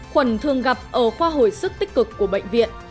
khuẩn thường gặp ở khoa hồi sức tích cực của bệnh viện